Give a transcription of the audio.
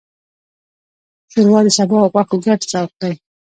ښوروا د سبو او غوښو ګډ ذوق دی.